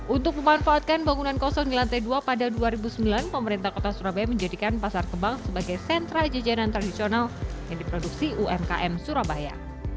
untuk memanfaatkan bangunan kosong di lantai dua pada dua ribu sembilan pemerintah kota surabaya menjadikan pasar kembang sebagai sentra jajanan tradisional yang diproduksi umkm surabaya